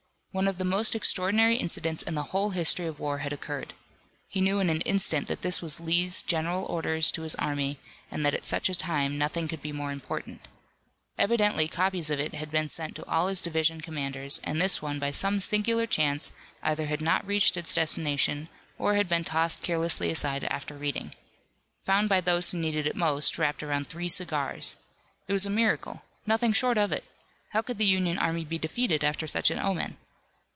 One of the most extraordinary incidents in the whole history of war had occurred. He knew in an instant that this was Lee's general orders to his army, and that at such a time nothing could be more important. Evidently copies of it had been sent to all his division commanders, and this one by some singular chance either had not reached its destination, or had been tossed carelessly aside after reading. Found by those who needed it most wrapped around three cigars! It was a miracle! Nothing short of it! How could the Union army be defeated after such an omen?